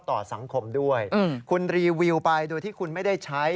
ต่อสังคมด้วยคุณรีวิวไปโดยที่คุณไม่ได้ใช้